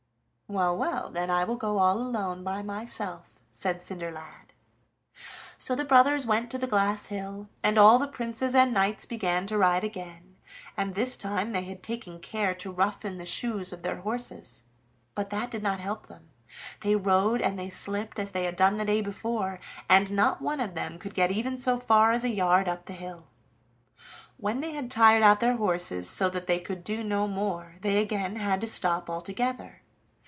"Well, well, then I will go all alone by myself," said Cinderlad. So the brothers went to the glass hill, and all the princes and knights began to ride again, and this time they had taken care to roughen the shoes of their horses; but that did not help them: they rode and they slipped as they had done the day before, and not one of them could get even so far as a yard up the hill. When they had tired out their horses, so that they could do no more, they again had to stop altogether.